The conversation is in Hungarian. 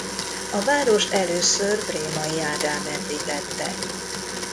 A várost először Brémai Ádám említette.